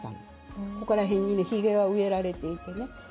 ここら辺にねヒゲが植えられていてね。